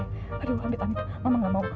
aduh ambil ambil mama nggak mau